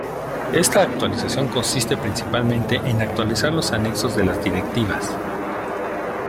Esta actualización consiste principalmente en actualizar los anexos de las directivas.